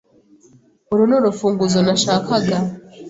Uru nurufunguzo nashakaga.